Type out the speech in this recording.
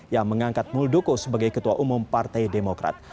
yang mengangkat muldoko sebagai ketua umum partai demokrat